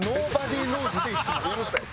うるさい。